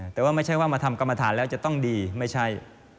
แต่ว่าไม่ใช่ว่ามาทำกรรมฐานแล้วจะต้องดีไม่ใช่